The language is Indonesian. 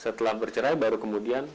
setelah bercerai baru kemudian